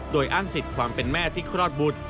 โดยอ้างสิทธิ์ความเป็นแม่ที่คลอดบุตร